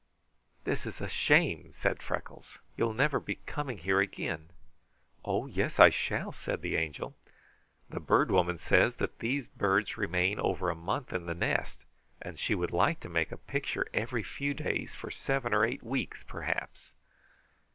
"This is a shame!" said Freckles. "You'll never be coming here again." "Oh yes I shall!" said the Angel. "The Bird Woman says that these birds remain over a month in the nest and she would like to make a picture every few days for seven or eight weeks, perhaps."